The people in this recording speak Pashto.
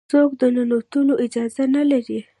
څوک د ننوتلو اجازه نه لري.